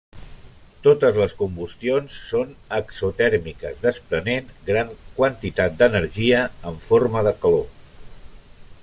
Totes les combustions són exotèrmiques desprenent gran quantitat d'energia en forma de calor.